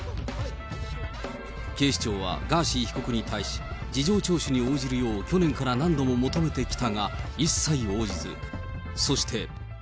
警視庁はガーシー被告に対し、事情聴取に応じるよう、去年から何度も求めてきたが、一切応じず、そして。